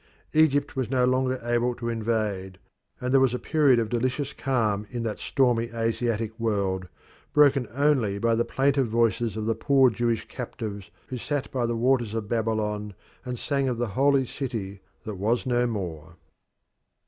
Egypt was no longer able to invade, and there was a period of delicious calm in that stormy Asiatic world, broken only by the plaintive voices of the poor Jewish captives who sat by the waters of Babylon and sang of the Holy City that was no more.